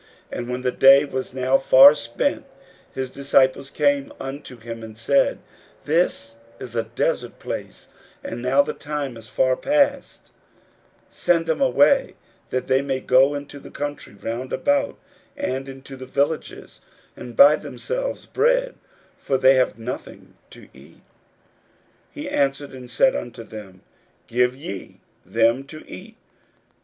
41:006:035 And when the day was now far spent, his disciples came unto him, and said, This is a desert place, and now the time is far passed: 41:006:036 Send them away, that they may go into the country round about, and into the villages, and buy themselves bread: for they have nothing to eat. 41:006:037 He answered and said unto them, Give ye them to eat.